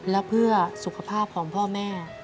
และเพื่อสุขภาพของพ่อแม่